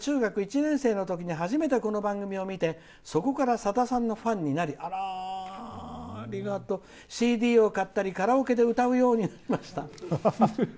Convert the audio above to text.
私は中学１年生のときに初めて、この番組を見てそれからさださんのファンになりＣＤを勝ったりカラオケで歌うようになりました。